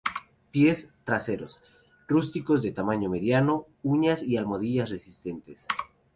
Pies traseros: Rústicos de tamaño mediano, uñas y almohadillas resistentes.